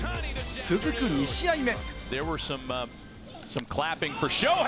続く２試合目。